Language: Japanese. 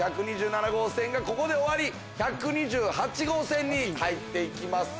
１２７号線がここで終わり１２８号線に入って行きます。